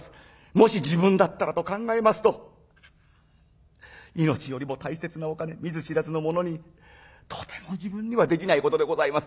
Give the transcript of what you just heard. もし自分だったらと考えますと命よりも大切なお金見ず知らずの者にとても自分にはできないことでございます。